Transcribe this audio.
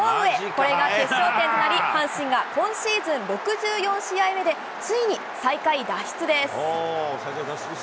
これが決勝点となり、阪神が今シーズン６４試合目でついに最下位脱出です。